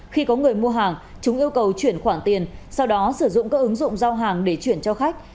khi có người mua hàng chúng yêu cầu chuyển khoản tiền sau đó sử dụng các ứng dụng giao hàng để chuyển cho khách